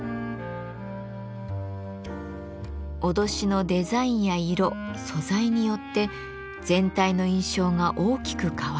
威しのデザインや色素材によって全体の印象が大きく変わる鎧。